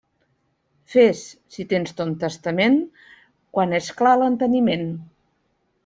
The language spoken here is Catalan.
Fes, si tens ton testament, quan és clar l'enteniment.